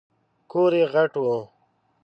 کور یې غټ و .